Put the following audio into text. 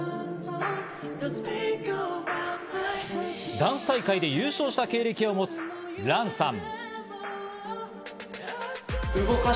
ダンス大会で優勝した経歴を持つランさん。